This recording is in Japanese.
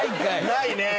ないね。